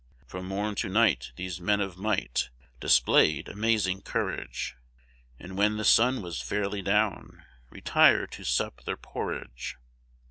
From morn to night these men of might Display'd amazing courage; And when the sun was fairly down, Retired to sup their porridge.